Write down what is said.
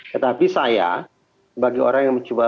tetapi saya bagi orang yang mencoba